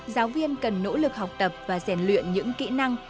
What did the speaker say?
giáo viên cần nỗ lực học tập và rèn luyện những kỹ năng